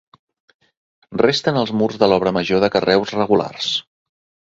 Resten els murs de l'obra major de carreus regulars.